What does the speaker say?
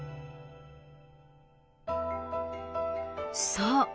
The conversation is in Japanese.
そう。